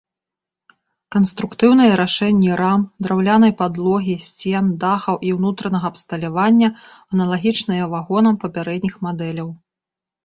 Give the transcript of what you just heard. Канструктыўныя рашэнні рам, драўлянай падлогі, сцен, дахаў і ўнутранага абсталявання аналагічныя вагонах папярэдніх мадэляў.